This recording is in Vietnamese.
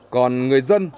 còn người dân